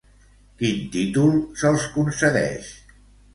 Quin títol se'ls concedeix?